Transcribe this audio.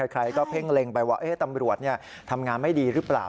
ใครก็เพ่งเล็งไปว่าตำรวจทำงานไม่ดีหรือเปล่า